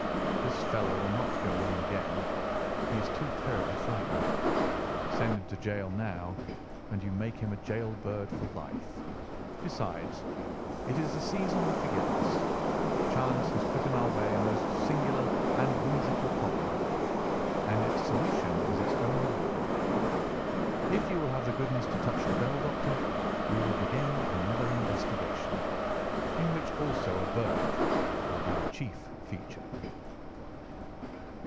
This fellow will not go wrong again; he is too terribly frightened. Send him to gaol now, and you make him a gaol bird for life. Besides, it is the season of forgiveness. Chance has put in our way a most singular and whimsical problem, and its solution is its own reward. If you will have the goodness to touch the bell, Doctor, we will begin another investigation, in which, also a bird will be the chief feature."